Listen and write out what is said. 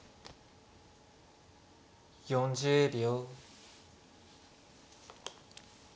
４０秒。